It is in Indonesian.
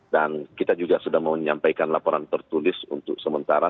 dan kita juga sudah menyampaikan laporan tertulis untuk sementara